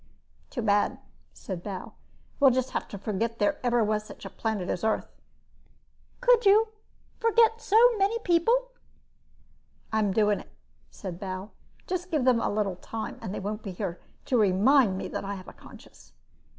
"Too bad," said Bal. "We'll just have to forget there ever was such a planet as Earth." "Could you? Forget so many people?" "I'm doing it," said Bal. "Just give them a little time and they won't be here to remind me that I have a conscience."